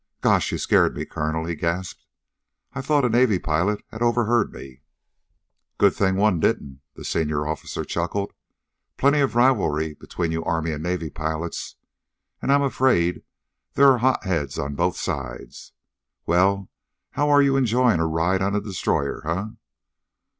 "Gosh, you scared me, Colonel!" he gasped. "I thought a Navy pilot had overheard me!" "Good thing one didn't," the senior officer chuckled. "Plenty of rivalry between you Army and Navy pilots. And I'm afraid there are hot heads on both sides. Well, how are you enjoying a ride on a destroyer, eh?"